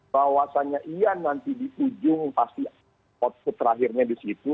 bahwasannya iya nanti di ujung pasti output terakhirnya di situ